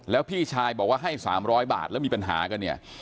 แล้วพี่ชายบอกว่าให้๓๐๐บาทแล้วมีปัญหากันเนี่ย